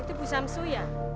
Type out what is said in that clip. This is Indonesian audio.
itu bu samsu ya